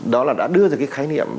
đó là đã đưa ra cái khái niệm